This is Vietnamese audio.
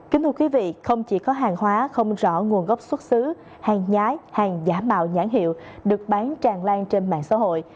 kính thưa quý vị không chỉ có hàng hóa không rõ nguồn gốc xuất xứ hàng nhái hàng giả mạo nhãn hiệu được bán tràn lan trên mạng xã hội